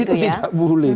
oh itu tidak boleh